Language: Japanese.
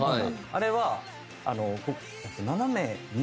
あれは。